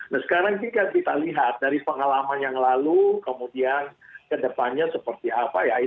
nah sekarang jika kita lihat dari pengalaman yang lalu kemudian ke depannya seperti apa ya